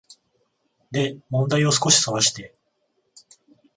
で問題を少しそらして、